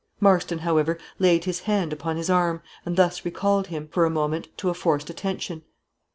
Marston, however, laid his hand upon his arm, and thus recalled him, for a moment, to a forced attention.